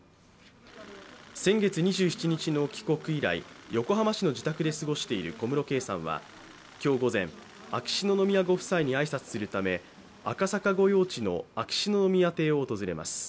先月２７日の帰国以来、横浜市の自宅で過ごしている小室圭さんは今日午前秋篠宮ご夫妻に挨拶するため赤坂御用地の秋篠宮邸を訪れます。